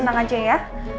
senang aja ya